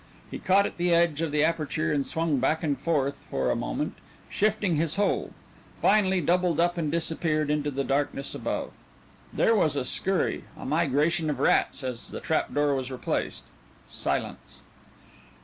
He caught at the edge of the aperture and swung back and forth, for a moment, shifting his hold; finally doubled up and disappeared into the darkness above. There was a scurry, a migration of rats, as the trap door was replaced;... silence.